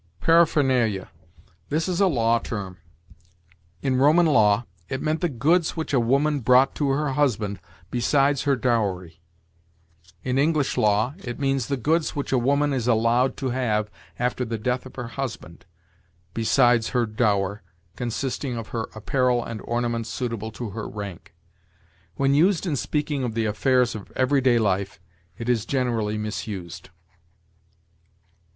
PARAPHERNALIA. This is a law term. In Roman law, it meant the goods which a woman brought to her husband besides her dowry. In English law, it means the goods which a woman is allowed to have after the death of her husband, besides her dower, consisting of her apparel and ornaments suitable to her rank. When used in speaking of the affairs of every day life, it is generally misused.